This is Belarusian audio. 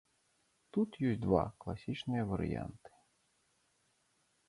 Тут ёсць два класічныя варыянты.